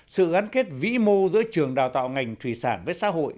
sự gắn kết vĩ mô giữa trường đào tạo ngành thủy sản với xã hội